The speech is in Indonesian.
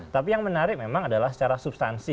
tapi yang menarik memang adalah secara substansi